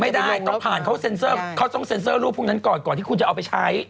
ไม่ได้ต้องผ่านเขาเซ็นเซอร์เขาต้องเซ็นเซอร์รูปพวกนั้นก่อนก่อนที่คุณจะเอาไปใช้